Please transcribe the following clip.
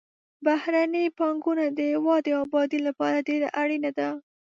بهرنۍ پانګونه د هېواد د آبادۍ لپاره ډېره اړینه ده.